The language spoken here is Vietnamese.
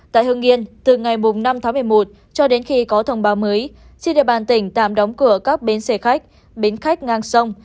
tại hương yên từ ngày năm tháng một mươi một cho đến khi có thông báo mới trên địa bàn tỉnh tạm đóng cửa các bến xe khách bến khách ngang sông